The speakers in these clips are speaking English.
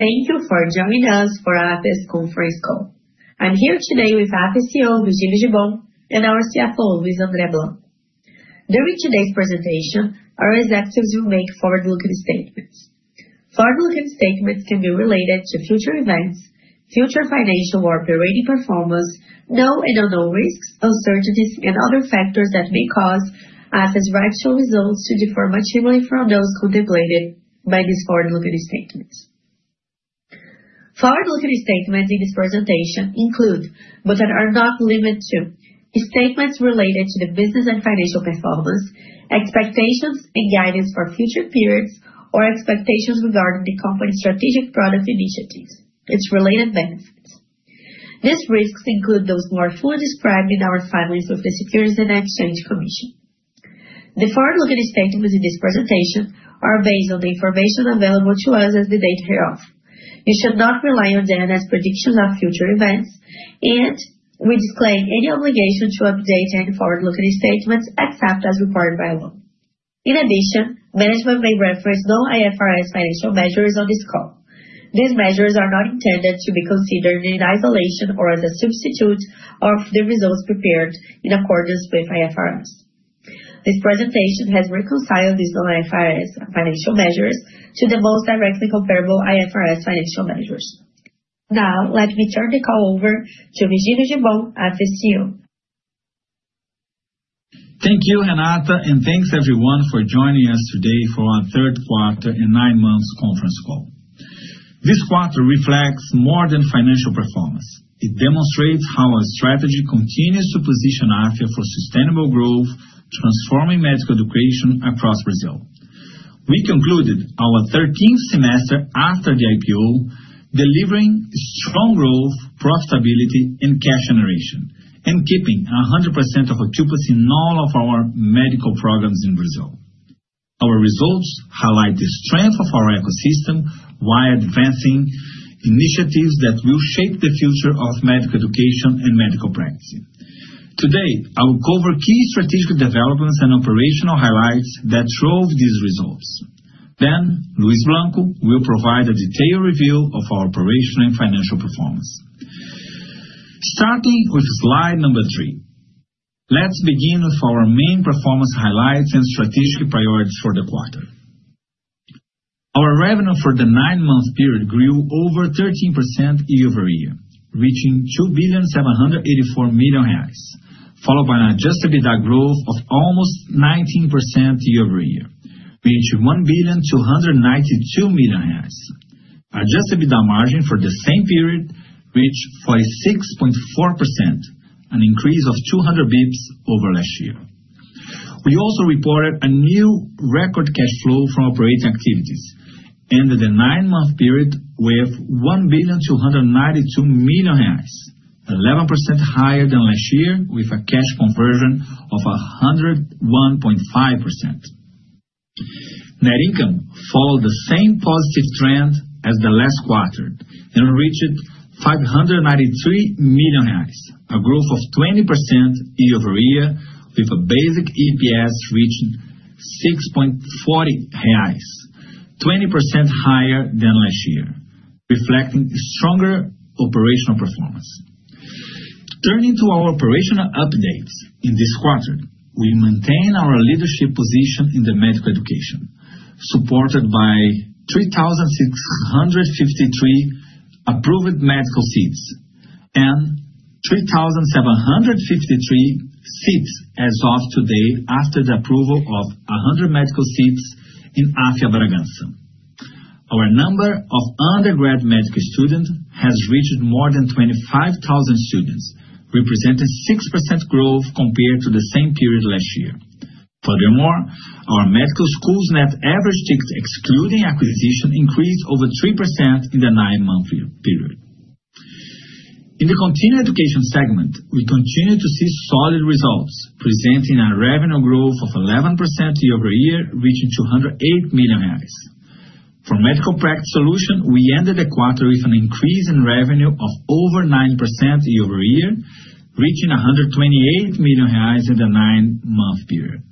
Thank you for joining us for Afya's Conference Call. I'm here today with Afya CEO, Virgilio Gibbon, and our CFO, Luis Andre Blanco. During today's presentation, our executives will make forward-looking statements. Forward-looking statements can be related to future events, future financial or operating performance, known and unknown risks, uncertainties, and other factors that may cause actual results to differ materially from those contemplated by these forward-looking statements. Forward-looking statements in this presentation include, but are not limited to, statements related to the business and financial performance, expectations and guidance for future periods, or expectations regarding the company's strategic product initiatives and its related benefits. These risks include those more fully described in our filings with the Securities and Exchange Commission. The forward-looking statements in this presentation are based on the information available to us as of the date hereof. You should not rely on them as predictions of future events, and we disclaim any obligation to update any forward-looking statements except as required by law. In addition, management may reference non-IFRS financial measures on this call. These measures are not intended to be considered in isolation or as a substitute of the results prepared in accordance with IFRS. This presentation has reconciled these non-IFRS financial measures to the most directly comparable IFRS financial measures. Now, let me turn the call over to Virgilio Gibbon, Afya's CEO. Thank you, Renata, and thanks, everyone, for joining us today for our third quarter and nine-month conference call. This quarter reflects more than financial performance. It demonstrates how our strategy continues to position Afya for sustainable growth, transforming medical education across Brazil. We concluded our 13th semester after the IPO, delivering strong growth, profitability, and cash generation, and keeping 100% of occupancy in all of our medical programs in Brazil. Our results highlight the strength of our ecosystem while advancing initiatives that will shape the future of medical education and medical practice. Today, I will cover key strategic developments and operational highlights that drove these results. Then, Luis Blanco will provide a detailed review of our operational and financial performance. Starting with slide number three, let's begin with our main performance highlights and strategic priorities for the quarter. Our revenue for the nine-month period grew over 13% year-over-year, reaching 2,784 million reais, followed by an adjusted EBITDA growth of almost 19% year-over-year, reaching BRL 1,292 million. Adjusted EBITDA margin for the same period reached 46.4%, an increase of 200 basis points over last year. We also reported a new record cash flow from operating activities, ended the nine-month period with 1,292 million reais, 11% higher than last year, with a cash conversion of 101.5%. Net income followed the same positive trend as the last quarter and reached 593 million reais, a growth of 20% year-over-year, with a basic EPS reaching 6.40 reais, 20% higher than last year, reflecting stronger operational performance. Turning to our operational updates, in this quarter, we maintain our leadership position in the medical education, supported by 3,653 approved medical seats and 3,753 seats as of today after the approval of 100 medical seats in Afya Bragança. Our number of undergraduate medical students has reached more than 25,000 students, representing 6% growth compared to the same period last year. Furthermore, our medical school's net average ticket, excluding acquisition, increased over 3% in the nine-month period. In the Continuing Education segment, we continue to see solid results, presenting a revenue growth of 11% year-over-year, reaching 208 million. For Medical Practice Solutions, we ended the quarter with an increase in revenue of over 9% year-over-year, reaching 128 million reais in the nine-month period.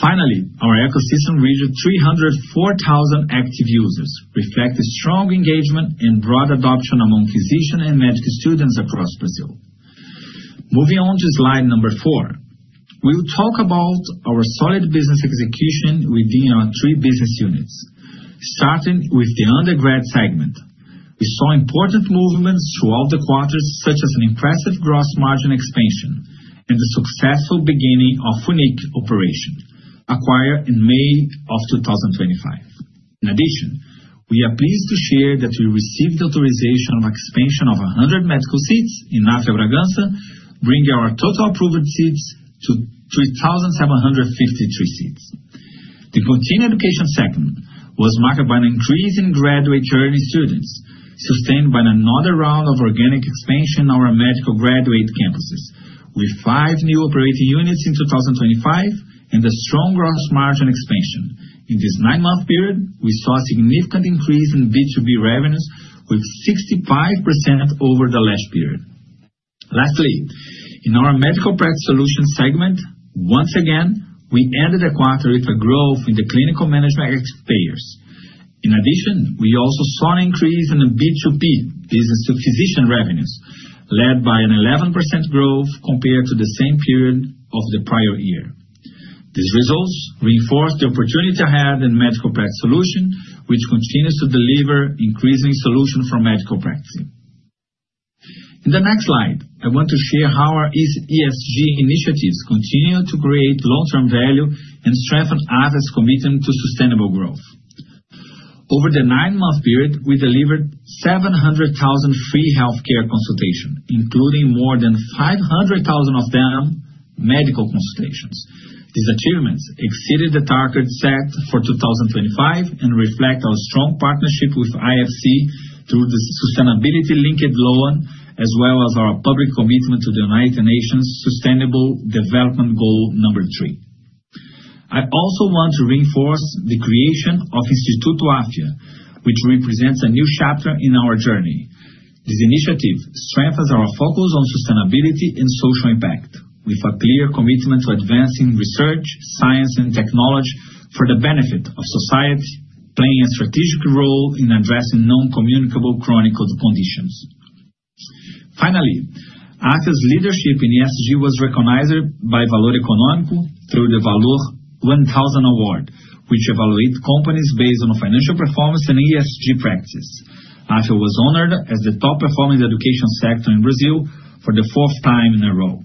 Finally, our ecosystem reached 304,000 active users, reflecting strong engagement and broad adoption among physicians and medical students across Brazil. Moving on to slide number four, we'll talk about our solid business execution within our three business units. Starting with the undergrad segment, we saw important movements throughout the quarter, such as an impressive gross margin expansion and the successful beginning of FUNIC operation, acquired in May of 2025. In addition, we are pleased to share that we received the authorization of expansion of 100 medical seats in Afya Bragança, bringing our total approved seats to 3,753 seats. The Continuing Education segment was marked by an increase in graduate journey students, sustained by another round of organic expansion in our medical graduate campuses, with five new operating units in 2025 and a strong gross margin expansion. In this nine-month period, we saw a significant increase in B2B revenues, with 65% over the last period. Lastly, in our medical practice solution segment, once again, we ended the quarter with a growth in the clinical management payers. In addition, we also saw an increase in B2P business to physician revenues, led by an 11% growth compared to the same period of the prior year. These results reinforce the opportunity ahead in medical practice solution, which continues to deliver increasing solutions for medical practice. In the next slide, I want to share how our ESG initiatives continue to create long-term value and strengthen Afya's commitment to sustainable growth. Over the nine-month period, we delivered 700,000 free healthcare consultations, including more than 500,000 of them medical consultations. These achievements exceeded the target set for 2025 and reflect our strong partnership with IFC through the sustainability-linked loan, as well as our public commitment to the United Nations Sustainable Development Goal number three. I also want to reinforce the creation of Instituto Afya, which represents a new chapter in our journey. This initiative strengthens our focus on sustainability and social impact, with a clear commitment to advancing research, science, and technology for the benefit of society, playing a strategic role in addressing non-communicable chronic conditions. Finally, Afya's leadership in ESG was recognized by Valor Econômico through the Valor 1000 Award, which evaluates companies based on financial performance and ESG practices. Afya was honored as the top-performing education sector in Brazil for the fourth time in a row.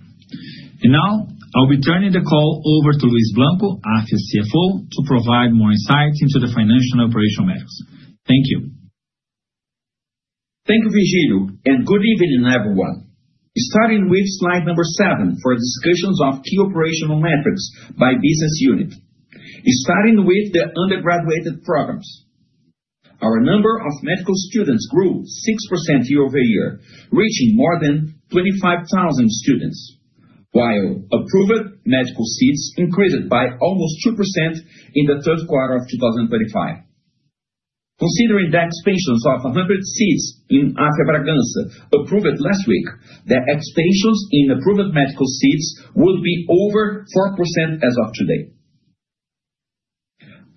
And now, I'll be turning the call over to Luis Blanco, Afya CFO, to provide more insight into the financial and operational metrics. Thank you. Thank you, Virgilio, and good evening, everyone. Starting with slide number seven for discussions of key operational metrics by business unit, starting with the undergraduate programs. Our number of medical students grew 6% year-over-year, reaching more than 25,000 students, while approved medical seats increased by almost 2% in the third quarter of 2025. Considering the expansions of 100 seats in Afya Bragança approved last week, the expansions in approved medical seats would be over 4% as of today.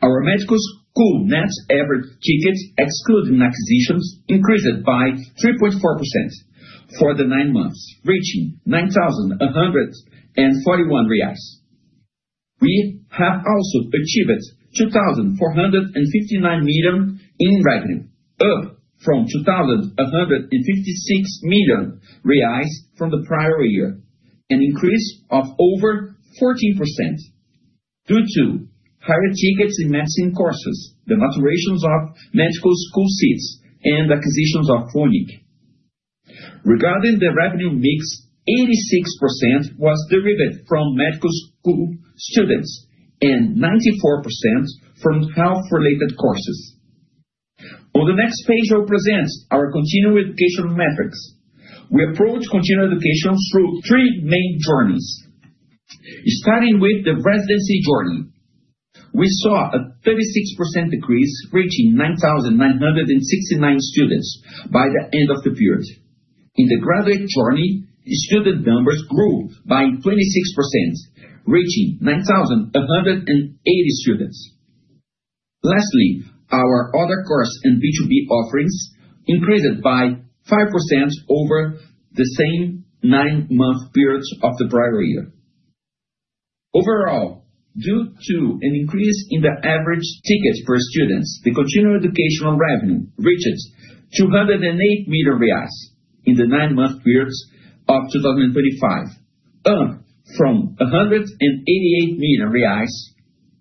Our medical school net average tickets, excluding acquisitions, increased by 3.4% for the nine months, reaching 9,141 reais. We have also achieved 2,459 million in revenue, up from 2,156 million reais from the prior year, an increase of over 14% due to higher tickets in medicine courses, the maturations of medical school seats, and acquisitions of FUNIC. Regarding the revenue mix, 86% was derived from medical school students and 94% from health-related courses. On the next page, I'll present our Continuing Education metrics. We approach Continuing Education through three main journeys. Starting with the residency journey, we saw a 36% decrease, reaching 9,969 students by the end of the period. In the graduate journey, student numbers grew by 26%, reaching 9,180 students. Lastly, our other course and B2B offerings increased by 5% over the same nine-month periods of the prior year. Overall, due to an increase in the average tickets per students, the Continuing Education revenue reached 208 million reais in the nine-month periods of 2025, up from 188 million reais,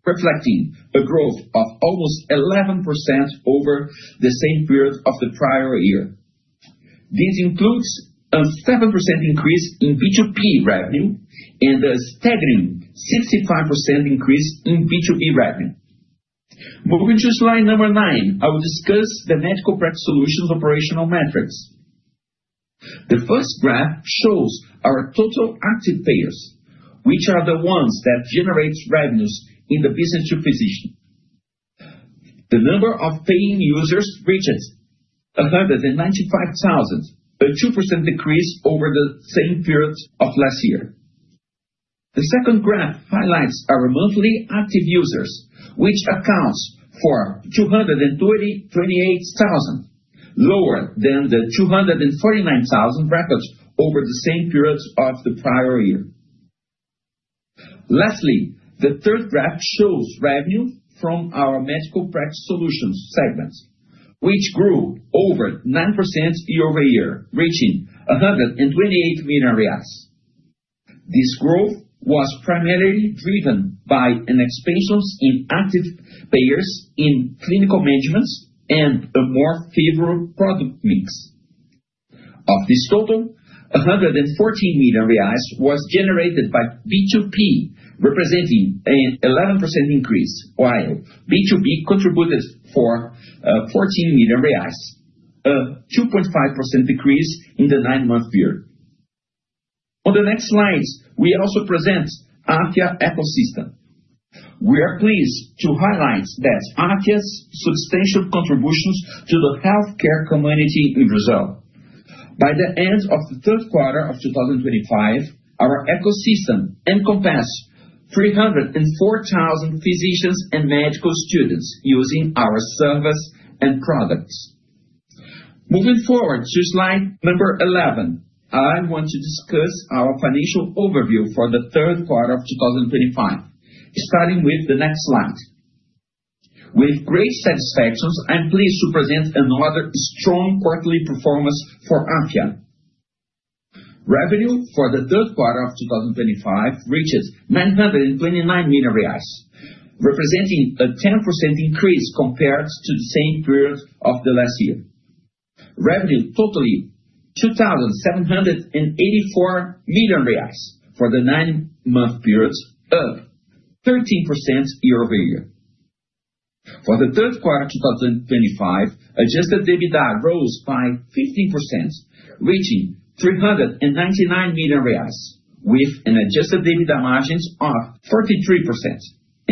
reflecting a growth of almost 11% over the same period of the prior year. This includes a 7% increase in B2P revenue and a staggering 65% increase in B2B revenue. Moving to slide number nine, I will discuss the Medical Practice Solutions' operational metrics. The first graph shows our total active payers, which are the ones that generate revenues in the business to physician. The number of paying users reached 195,000, a 2% decrease over the same period of last year. The second graph highlights our monthly active users, which accounts for 228,000, lower than the 249,000 records over the same period of the prior year. Lastly, the third graph shows revenue from our medical practice solutions segments, which grew over 9% year-over-year, reaching 128 million reais. This growth was primarily driven by expansions in active payers in clinical management and a more favorable product mix. Of this total, 114 million reais was generated by B2P, representing an 11% increase, while B2B contributed BRL 14 million, a 2.5% decrease in the nine-month period. On the next slide, we also present Afya Ecosystem. We are pleased to highlight that Afya's substantial contributions to the healthcare community in Brazil. By the end of the third quarter of 2025, our ecosystem encompasses 304,000 physicians and medical students using our service and products. Moving forward to slide number 11, I want to discuss our financial overview for the third quarter of 2025, starting with the next slide. With great satisfaction, I'm pleased to present another strong quarterly performance for Afya. Revenue for the third quarter of 2025 reached 929 million reais, representing a 10% increase compared to the same period of the last year. Revenue totaled 2,784 million reais for the nine-month period, up 13% year-over-year. For the third quarter of 2025, adjusted EBITDA rose by 15%, reaching 399 million reais, with an adjusted EBITDA margin of 43%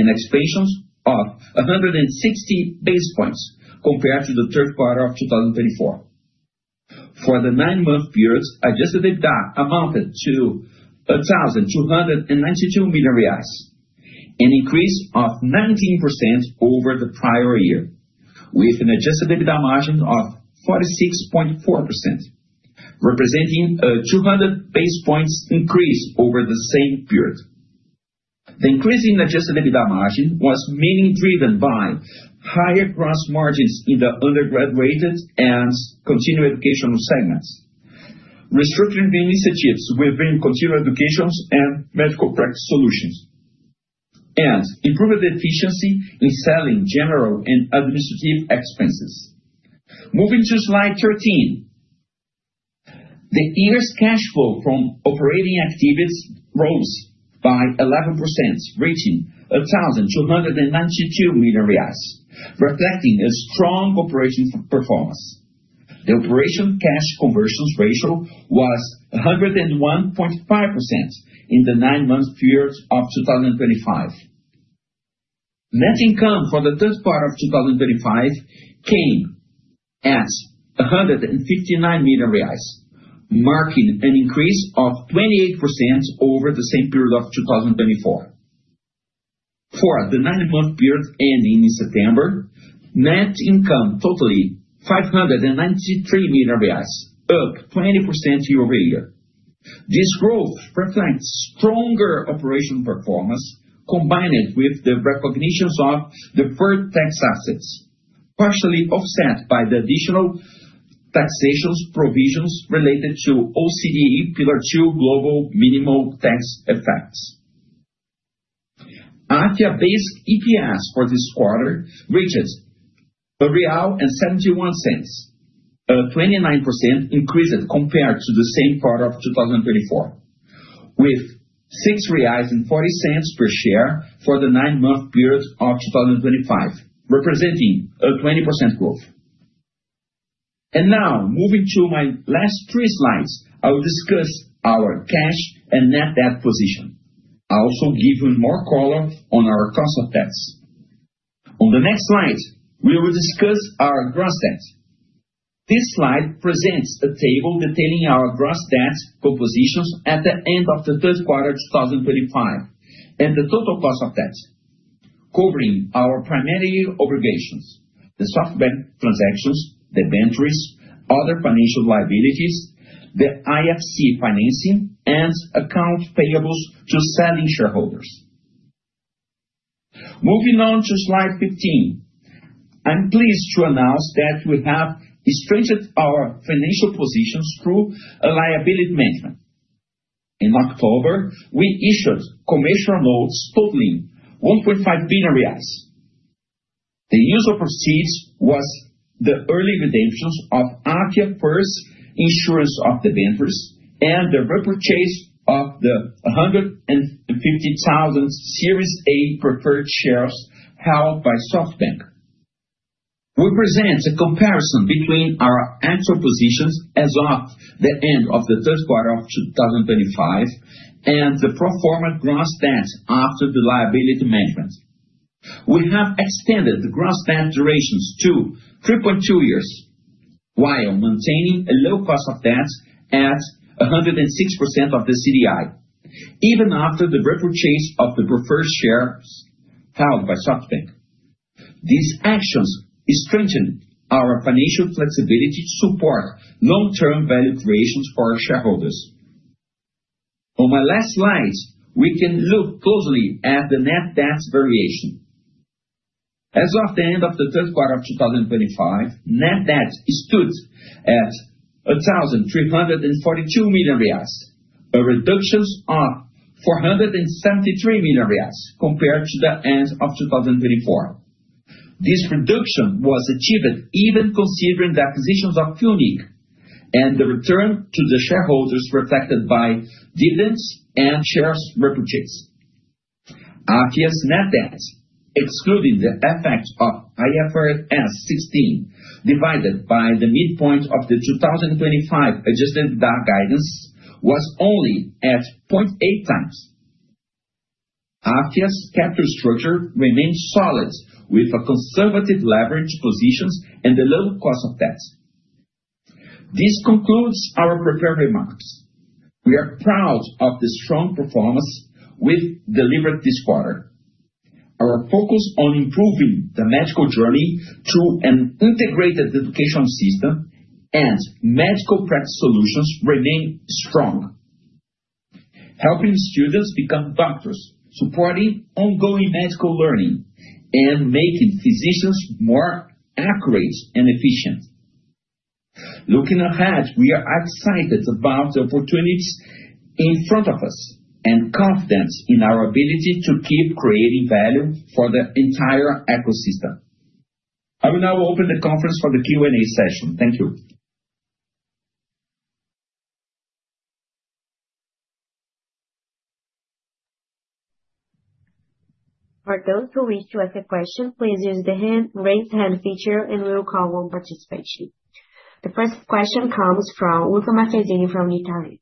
and expansions of 160 basis points compared to the third quarter of 2024. For the nine-month period, adjusted EBITDA amounted to 1,292 million reais, an increase of 19% over the prior year, with an adjusted EBITDA margin of 46.4%, representing a 200 basis points increase over the same period. The increase in adjusted EBITDA margin was mainly driven by higher gross margins in the undergraduate and Continuing Education segments, restricted initiatives within Continuing Education and medical practice solutions, and improved efficiency in selling general and administrative expenses. Moving to slide 13, the year's cash flow from operating activities rose by 11%, reaching 1,292 million reais, reflecting a strong operational performance. The operational cash conversion ratio was 101.5% in the nine-month period of 2025. Net income for the third quarter of 2025 came at 159 million reais, marking an increase of 28% over the same period of 2024. For the nine-month period ending in September, net income totaled 593 million, up 20% year-over-year. This growth reflects stronger operational performance, combined with the recognition of deferred tax assets, partially offset by the additional taxation provisions related to OECD Pillar Two Global Minimum Tax Effects. AFYA-based EPS for this quarter reached 1.71, a 29% increase compared to the same quarter of 2024, with 6.40 reais per share for the nine-month period of 2025, representing a 20% growth. And now, moving to my last three slides, I will discuss our cash and net debt position. I'll also give you more color on our cost of debt. On the next slide, we will discuss our gross debt. This slide presents a table detailing our gross debt compositions at the end of the third quarter of 2025 and the total cost of debt, covering our primary obligations, the SoftBank transactions, the debt entries, other financial liabilities, the IFC financing, and accounts payable to selling shareholders. Moving on to slide 15, I'm pleased to announce that we have strengthened our financial positions through liability management. In October, we issued commercial notes totaling 1.5 billion reais. The use of proceeds was the early redemptions of Afya's first issuance of debentures and the repurchase of the 150,000 Series A preferred shares held by SoftBank. We present a comparison between our actual positions as of the end of the third quarter of 2025 and the pro forma gross debt after the liability management. We have extended the gross debt durations to 3.2 years, while maintaining a low cost of debt at 106% of the CDI, even after the repurchase of the preferred shares held by SoftBank. These actions strengthen our financial flexibility to support long-term value creations for our shareholders. On my last slide, we can look closely at the net debt variation. As of the end of the third quarter of 2025, net debt stood at 1,342 million reais, a reduction of 473 million reais compared to the end of 2024. This reduction was achieved even considering the acquisitions of FUNIC and the return to the shareholders reflected by dividends and shares repurchase. Afya's net debt, excluding the effect of IFRS 16 divided by the midpoint of the 2025 adjusted EBITDA guidance, was only at 0.8x. Afya's capital structure remained solid with conservative leverage positions and a low cost of debt. This concludes our prepared remarks. We are proud of the strong performance we've delivered this quarter. Our focus on improving the medical journey through an integrated education system and medical practice solutions remains strong, helping students become doctors, supporting ongoing medical learning, and making physicians more accurate and efficient. Looking ahead, we are excited about the opportunities in front of us and confident in our ability to keep creating value for the entire ecosystem. I will now open the conference for the Q&A session. Thank you. For those who wish to ask a question, please use the raise hand feature and we will call on participation. The first question comes from Lucca Marquezini from Itaú.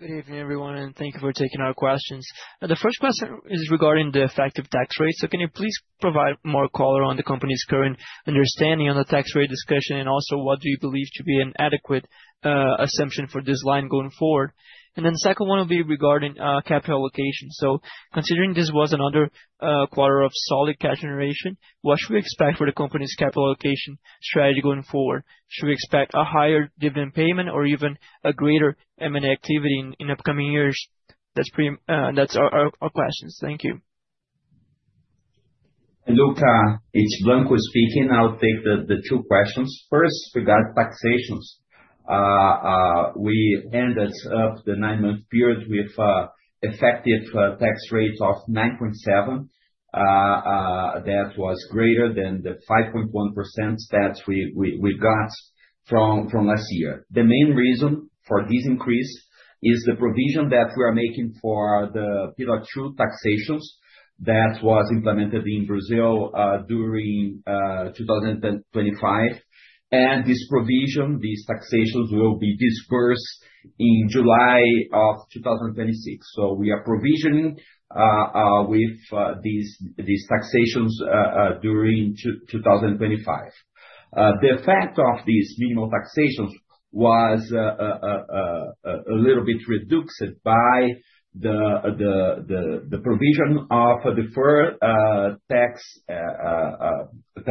Good evening, everyone, and thank you for taking our questions. The first question is regarding the effective tax rate, so can you please provide more color on the company's current understanding on the tax rate discussion and also what do you believe to be an adequate assumption for this line going forward, and then the second one will be regarding capital allocation, so considering this was another quarter of solid cash generation, what should we expect for the company's capital allocation strategy going forward? Should we expect a higher dividend payment or even a greater M&A activity in upcoming years? That's our questions. Thank you. Lucca, It's Blanco speaking. I'll take the two questions. First, regarding taxation. We ended up the nine-month period with an effective tax rate of 9.7%. That was greater than the 5.1% that we got from last year. The main reason for this increase is the provision that we are making for the Pillar 2 taxation that was implemented in Brazil during 2025, and this provision, these taxations will be in force in July of 2026, so we are provisioning with these taxations during 2025. The effect of these minimum taxations was a little bit reduced by the provision of the deferred tax asset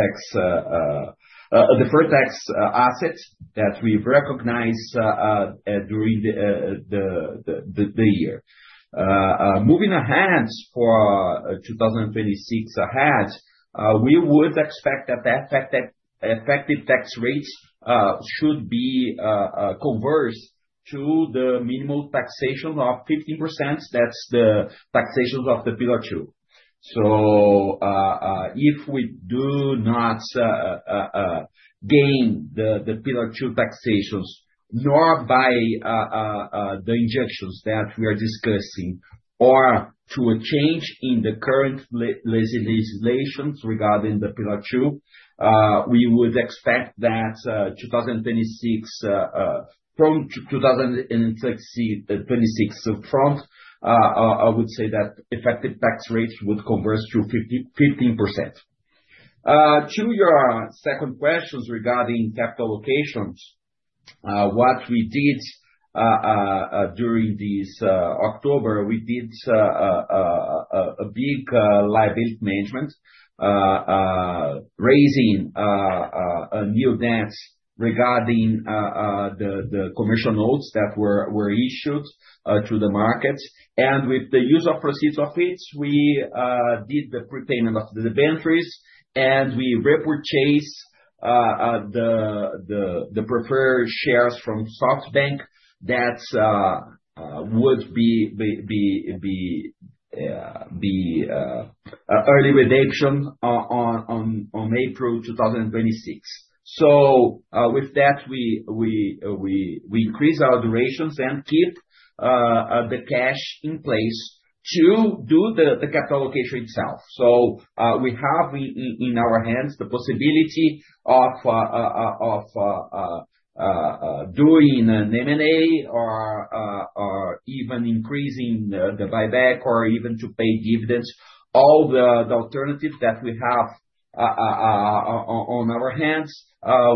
that we recognized during the year. Moving ahead for 2026 ahead, we would expect that the effective tax rates should be converged to the minimum taxation of 15%. That's the taxation of the Pillar Two. So if we do not gain the Pillar Two taxation, nor by the exceptions that we are discussing, or to a change in the current legislation regarding the Pillar Two, we would expect that from 2026, I would say that effective tax rates would converge to 15%. To your second question regarding capital allocations, what we did during this October, we did a big liability management, raising a new debt regarding the commercial notes that were issued to the markets. And with the use of proceeds of it, we did the prepayment of the debentures, and we repurchased the preferred shares from SoftBank. That would be early redemption on April 2026. So with that, we increased our durations and kept the cash in place to do the capital allocation itself. So we have in our hands the possibility of doing an M&A or even increasing the buyback or even to pay dividends. All the alternatives that we have on our hands,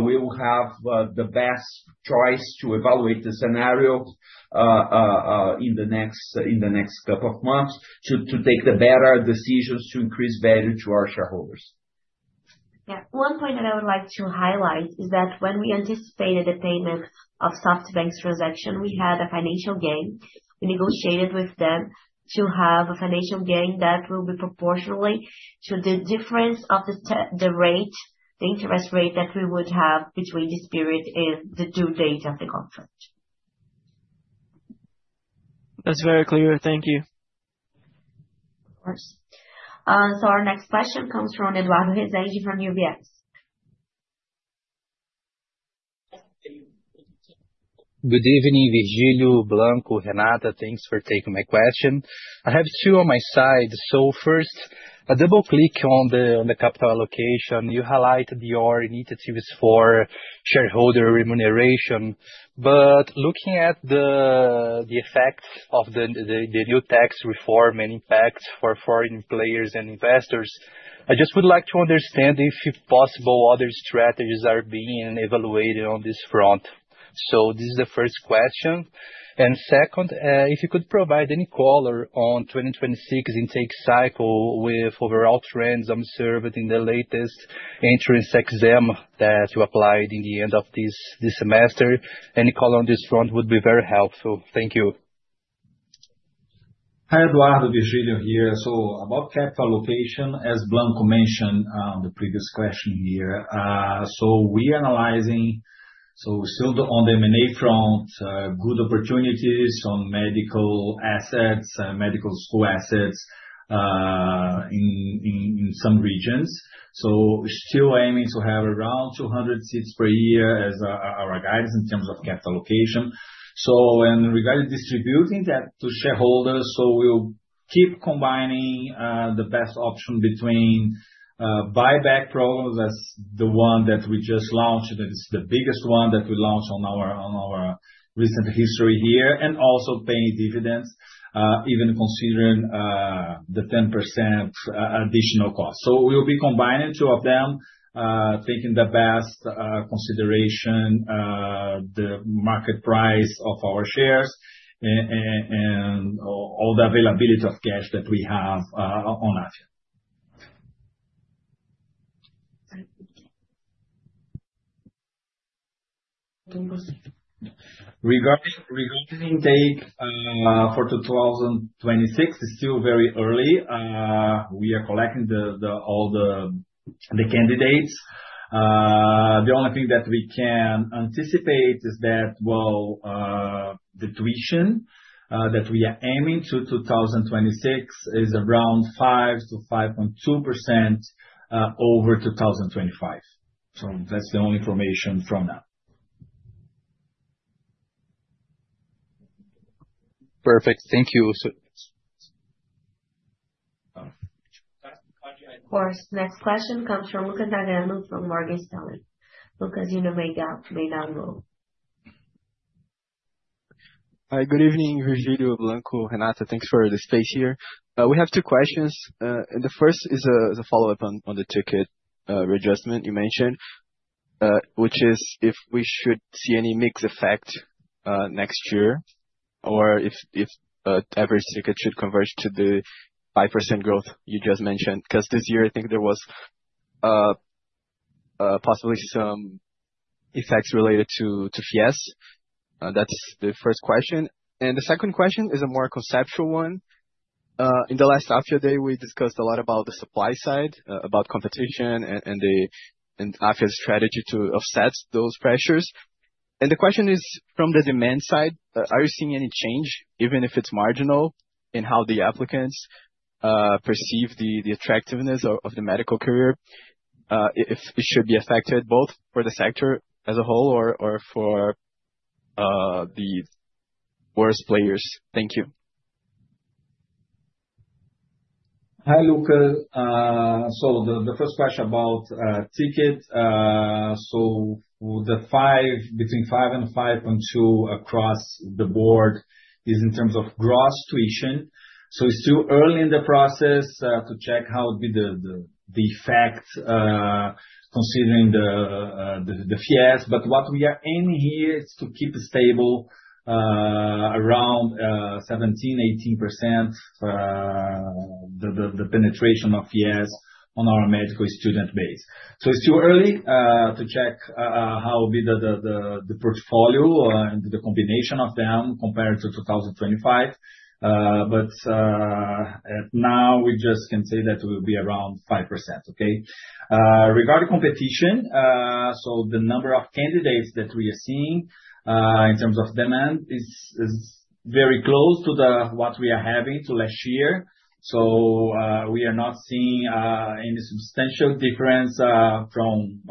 we will have the best choice to evaluate the scenario in the next couple of months to take the better decisions to increase value to our shareholders. Yeah. One point that I would like to highlight is that when we anticipated the payment of SoftBank's transaction, we had a financial gain. We negotiated with them to have a financial gain that will be proportional to the difference of the rate, the interest rate that we would have between this period and the due date of the contract. That's very clear. Thank you. Of course. So our next question comes from Eduardo Resende from UBS. Good evening, Virgílio Gibbon, Renata. Thanks for taking my question. I have two on my side. So first, a double click on the capital allocation. You highlighted your initiatives for shareholder remuneration. But looking at the effects of the new tax reform and impacts for foreign players and investors, I just would like to understand if possible other strategies are being evaluated on this front. So this is the first question. And second, if you could provide any color on the 2026 intake cycle with overall trends observed in the latest entrance exam that you applied in the end of this semester. Any color on this front would be very helpful. Thank you. Hi, Eduardo, Virgilio here. So about capital allocation, as Blanco mentioned on the previous question here. So we're analyzing, so still on the M&A front, good opportunities on medical assets and medical school assets in some regions. So still aiming to have around 200 seats per year as our guidance in terms of capital allocation. So regarding distributing that to shareholders, so we'll keep combining the best option between buyback programs as the one that we just launched. It's the biggest one that we launched on our recent history here and also paying dividends, even considering the 10% additional cost. So we'll be combining two of them, taking the best consideration, the market price of our shares, and all the availability of cash that we have on Afya. Regarding intake for 2026, it's still very early. We are collecting all the candidates. The only thing that we can anticipate is that, well, the tuition that we are aiming to 2026 is around 5%-5.2% over 2025. So that's the only information from now. Perfect. Thank you. Of course. Next question comes from Lucas Nagano from Morgan Stanley. Lucas, as you may now know. Hi, good evening, Virgílio Gibbon, Renata. Thanks for the space here. We have two questions. The first is a follow-up on the ticket readjustment you mentioned, which is if we should see any mixed effect next year or if every ticket should converge to the 5% growth you just mentioned. Because this year, I think there was possibly some effects related to FIES. That's the first question. And the second question is a more conceptual one. In the last Afya Day, we discussed a lot about the supply side, about competition and the Afya strategy to offset those pressures. And the question is from the demand side, are you seeing any change, even if it's marginal, in how the applicants perceive the attractiveness of the medical career if it should be affected both for the sector as a whole or for the worst players? Thank you. Hi, Lucca. So the first question about ticket, so between 5% and 5.2% across the board is in terms of gross tuition. So it's still early in the process to check how the effect considering the FIES. But what we are aiming here is to keep stable around 17%, 18% the penetration of FIES on our medical student base. So it's still early to check how the portfolio and the combination of them compared to 2025. But now we just can say that it will be around 5%. Okay. Regarding competition, so the number of candidates that we are seeing in terms of demand is very close to what we are having last year. So we are not seeing any substantial difference from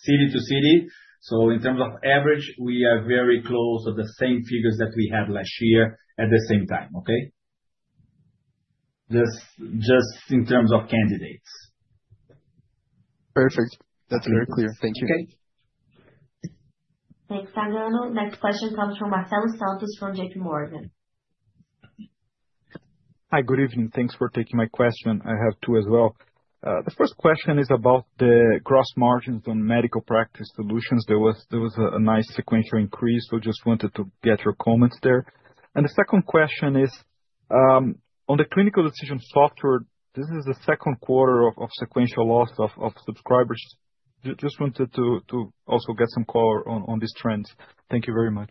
city to city. So in terms of average, we are very close to the same figures that we had last year at the same time. Okay. Just in terms of candidates. Perfect. That's very clear. Thank you. Okay. Thanks, Manuel. Next question comes from Marcelo Santos from J.P. Morgan. Hi, good evening. Thanks for taking my question. I have two as well. The first question is about the gross margins on medical practice solutions. There was a nice sequential increase. So I just wanted to get your comments there. And the second question is on the clinical decision software. This is the second quarter of sequential loss of subscribers. Just wanted to also get some color on these trends. Thank you very much.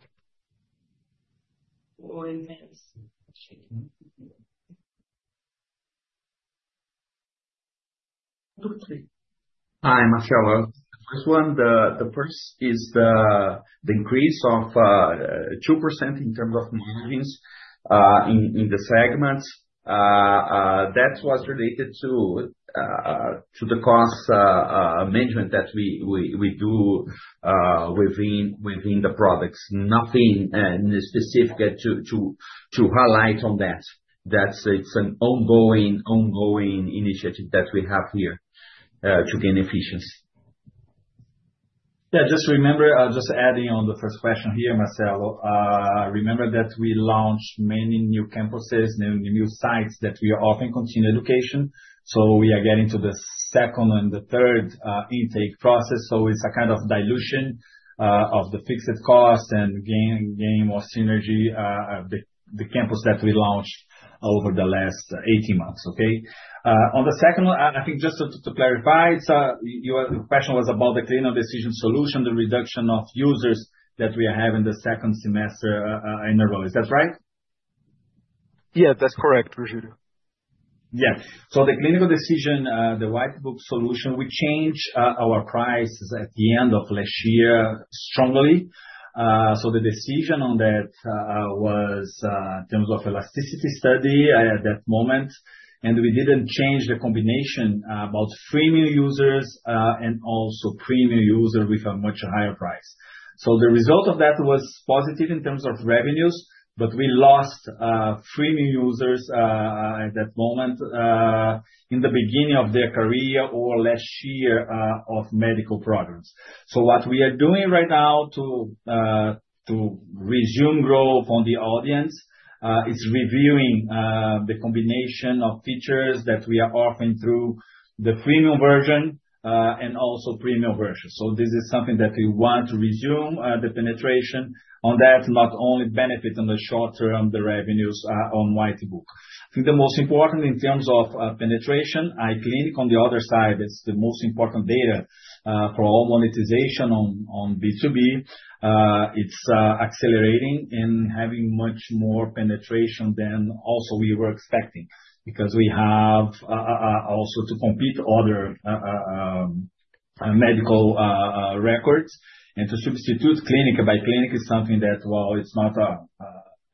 Hi, Marcelo. The first one, the first is the increase of 2% in terms of margins in the segments. That was related to the cost management that we do within the products. Nothing specific to highlight on that. It's an ongoing initiative that we have here to gain efficiency. Yeah, just remember, just adding on the first question here, Marcelo, remember that we launched many new campuses, many new sites that we are offering Continuing Education. So we are getting to the second and the third intake process. So it's a kind of dilution of the fixed cost and gain more synergy of the campus that we launched over the last 18 months. Okay. On the second one, I think just to clarify, your question was about the clinical decision solution, the reduction of users that we are having the second semester in enrollment. Is that right? Yeah, that's correct, Virgilio. Yeah. So the Clinical Decision, the Whitebook solution, we changed our prices at the end of last year strongly. So the decision on that was in terms of elasticity study at that moment. And we didn't change the combination about premium users and also premium users with a much higher price. So the result of that was positive in terms of revenues, but we lost premium users at that moment in the beginning of their career or last year of medical programs. So what we are doing right now to resume growth on the audience is reviewing the combination of features that we are offering through the premium version and also premium version. So this is something that we want to resume the penetration on that, not only benefit in the short term, the revenues on Whitebook. I think the most important in terms of penetration, iClinic on the other side, it's the most important data for all monetization on B2B. It's accelerating and having much more penetration than also we were expecting because we have also to compete other medical records and to substitute clinic by clinic is something that, well, it's not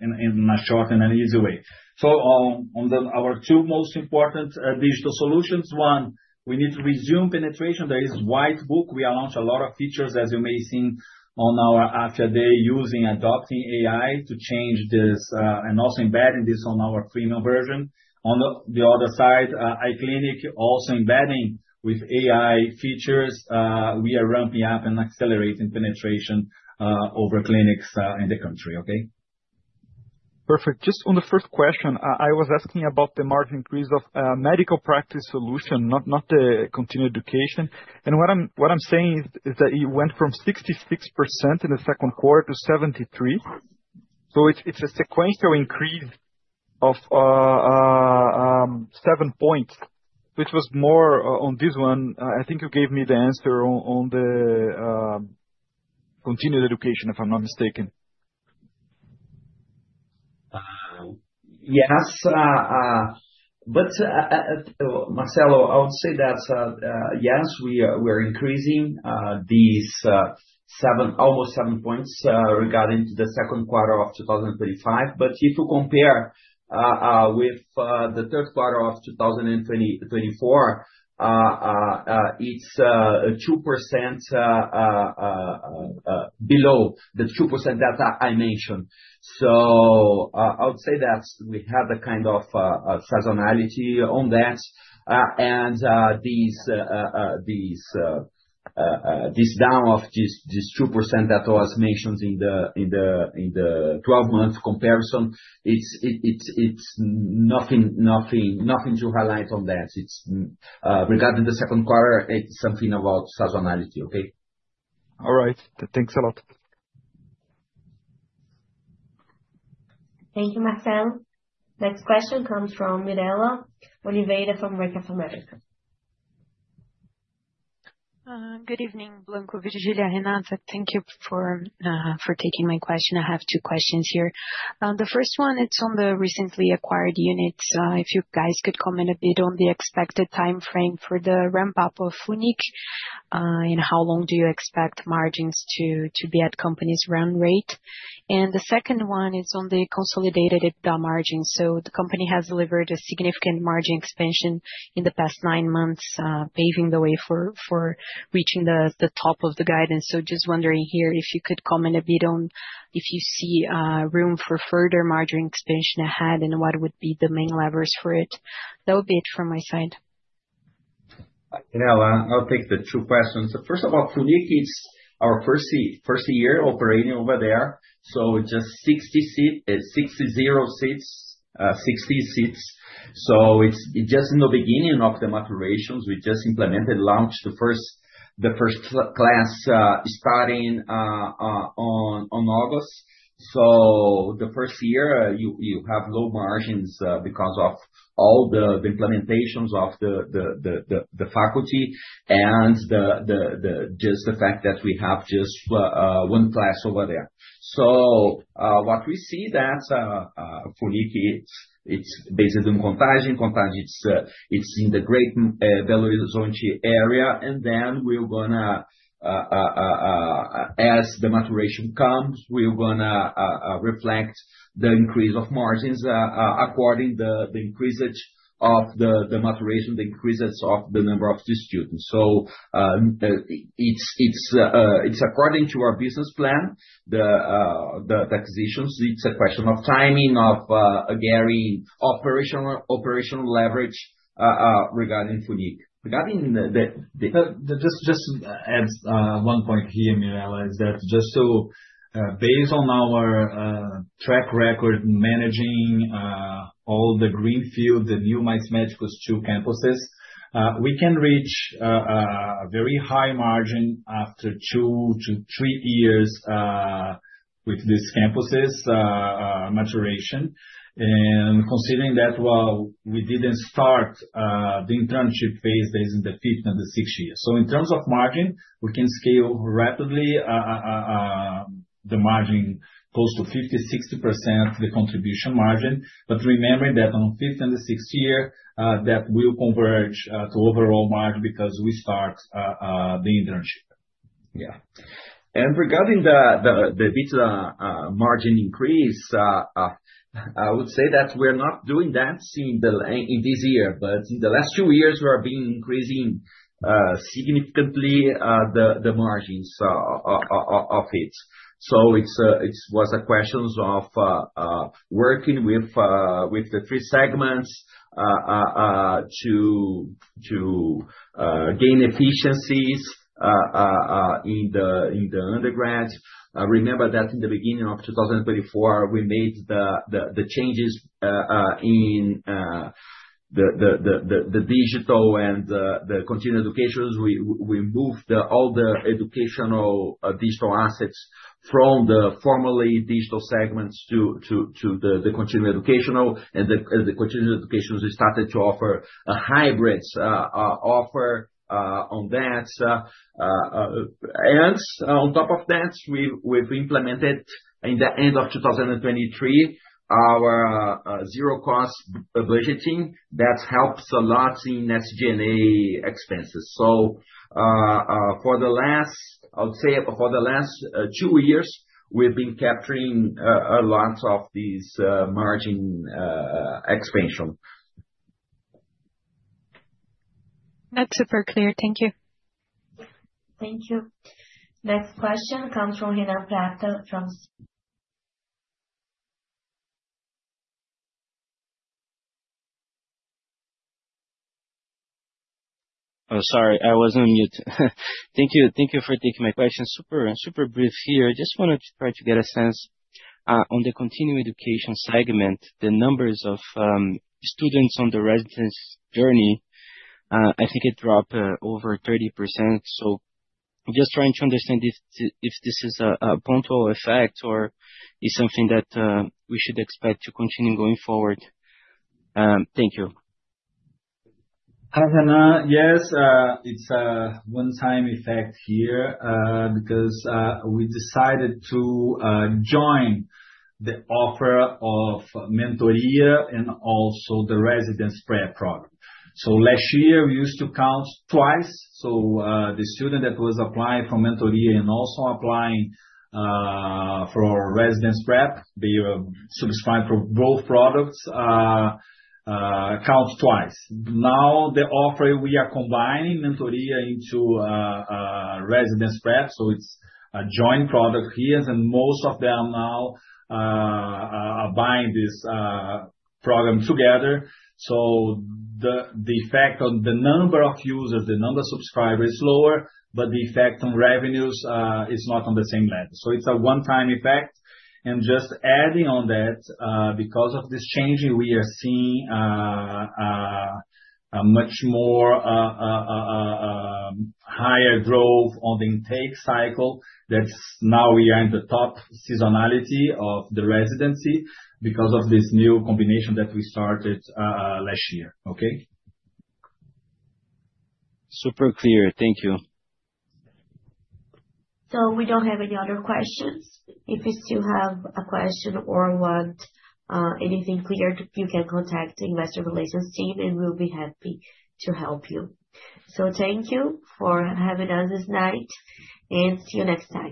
in a short and an easy way. So on our two most important digital solutions, one, we need to resume penetration. There is white book. We are launching a lot of features, as you may see on our Afya day using adopting AI to change this and also embedding this on our premium version. On the other side, iClinic also embedding with AI features. We are ramping up and accelerating penetration over clinics in the country. Okay. Perfect. Just on the first question, I was asking about the margin increase of medical practice solutions, not the Continuing Education, and what I'm saying is that it went from 66% in the second quarter to 73%. So it's a sequential increase of 7 points, which was more on this one. I think you gave me the answer on the Continuing Education, if I'm not mistaken. Yes. But Marcelo, I would say that yes, we are increasing these almost 7 points regarding the second quarter of 2025. But if you compare with the third quarter of 2024, it's 2% below the 2% that I mentioned. So I would say that we had a kind of seasonality on that. And this down of this 2% that was mentioned in the 12-month comparison, it's nothing to highlight on that. Regarding the second quarter, it's something about seasonality. Okay. All right. Thanks a lot. Thank you, Marcel. Next question comes from Mirela Oliveira from Bank of America. Good evening, Blanco, Virgilio, Renata. Thank you for taking my question. I have two questions here. The first one, it's on the recently acquired units. If you guys could comment a bit on the expected timeframe for the ramp-up of FUNIC and how long do you expect margins to be at company's run rate. The second one is on the consolidated EBITDA margins. The company has delivered a significant margin expansion in the past nine months, paving the way for reaching the top of the guidance. Just wondering here if you could comment a bit on if you see room for further margin expansion ahead and what would be the main levers for it. That would be it from my side. I'll take the two questions. First of all, FUNIC, it's our first year operating over there, so just 60 seats, 60 seats. So it's just in the beginning of the maturations. We just implemented, launched the first class starting in August, so the first year, you have low margins because of all the implementations of the faculty and just the fact that we have just one class over there. So what we see that for FUNIC, it's based on location. Location, it's in the great Belo Horizonte area. And then we're going to, as the maturation comes, we're going to reflect the increase of margins according to the increase of the maturation, the increases of the number of the students. So it's according to our business plan, the acquisitions. It's a question of timing of getting operational leverage regarding FUNIC. Regarding the. Just add one point here, Mirela. It's that just based on our track record managing all the greenfield, the new medical school campuses, we can reach a very high margin after two to three years with these campuses' maturation, and considering that, well, we didn't start the internship phase in the fifth and the sixth year, so in terms of margin, we can scale rapidly the margin close to 50%-60%, the contribution margin, but remembering that on the fifth and the sixth year, that will converge to overall margin because we start the internship. Yeah, and regarding the EBITDA margin increase, I would say that we're not doing that in this year, but in the last two years, we are being increasing significantly the margins of it, so it was a question of working with the three segments to gain efficiencies in the undergrad. Remember that in the beginning of 2024, we made the changes in the digital and the Continuing Education. We moved all the educational digital assets from the formerly digital segments to the Continuing Education. And the Continuing Education started to offer a hybrid offer on that. And on top of that, we've implemented in the end of 2023, our zero-cost budgeting that helps a lot in SG&A expenses. So for the last, I would say for the last two years, we've been capturing a lot of these margin expansion. That's super clear. Thank you. Thank you. Next question comes from Renan Prata from. Sorry, I wasn't on mute. Thank you for taking my question. Super brief here. I just wanted to try to get a sense on the Continuing Education segment, the numbers of students on the residency journey. I think it dropped over 30%. So just trying to understand if this is a one-off effect or is something that we should expect to continue going forward. Thank you. Hi, Renan. Yes, it's a one-time effect here because we decided to join the offer of mentoring and also the residency prep program. So last year, we used to count twice. So the student that was applying for mentoring and also applying for residency prep, they were subscribed for both products, count twice. Now, the offer we are combining mentoring into residency prep. So it's a joint product here and most of them now are buying this program together. So the effect on the number of users, the number of subscribers is lower, but the effect on revenues is not on the same level. So it's a one-time effect. And just adding on that, because of this change, we are seeing a much more higher growth on the intake cycle. That's now we are in the top seasonality of the residency because of this new combination that we started last year. Okay. Super clear. Thank you. So we don't have any other questions. If you still have a question or want anything cleared, you can contact the investor relations team, and we'll be happy to help you. So thank you for having us tonight, and see you next time.